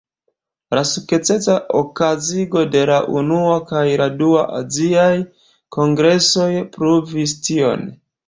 La sukcesa okazigo de la unua kaj dua aziaj kongresoj pruvis tion.